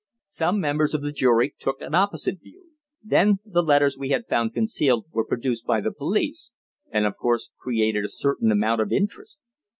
Some members of the jury took an opposite view. Then the letters we had found concealed were produced by the police, and, of course, created a certain amount of interest.